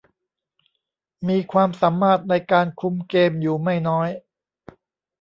มีความสามารถในการคุมเกมอยู่ไม่น้อย